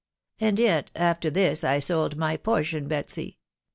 wad yet, after this 1 sold my portion, Betsy